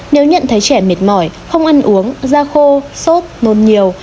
nếu nhận thấy trẻ mệt mỏi không ăn uống da khô sốt nôn nhiều